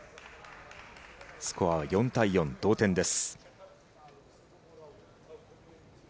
スコアは４対４、同点です。